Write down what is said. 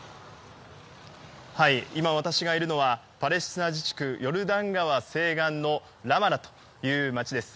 今、私がいるのはパレスチナ自治区ヨルダン川西岸ラマラという街です。